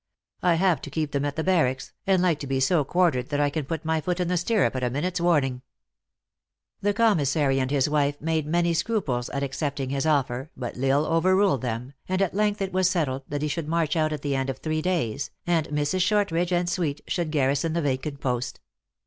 I have to keep them at the barracks, and like to be so quartered that I can put my foot in the stirrup at a minute s warning." The commissary and his wife made many scruples at accepting his offer, but L Isle overruled them, and at length it was settled that he should march out at the end of three days, and Mrs. Shortridge and suite should garrison the vacant post.